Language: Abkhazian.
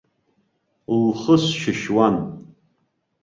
Лхы сшьышьуан.